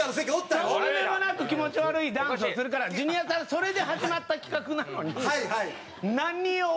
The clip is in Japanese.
とんでもなく気持ち悪いダンスをするからジュニアさんそれで始まった企画なのに何大ジャケット着てそこ？